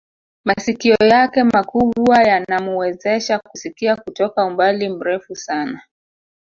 Masikio yake makubwa yanamuwezesha kusikia kutoka umbali mrefu sana